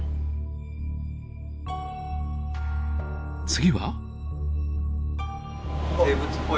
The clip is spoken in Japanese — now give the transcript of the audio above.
次は。